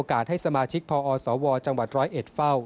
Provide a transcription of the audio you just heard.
มีโอกาสให้สมาชิกพอสวจังหวัด๑๐๑เฝ้า